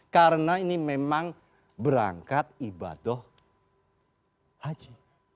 karena ini memang berangkat ibadah haji